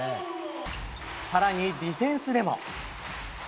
さらにディフェンスでも。